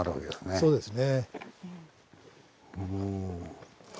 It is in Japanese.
そうですよね。